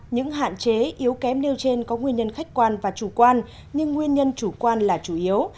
những hạn chế yếu kém nêu trên có nguyên nhân khách quan và chủ quan nhưng nguyên nhân chủ quan là chủ yếu